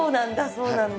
そうなんだ。